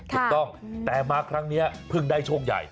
ถูกต้องแต่มาครั้งนี้เพิ่งได้โชคใหญ่